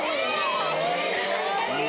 恥ずかしい。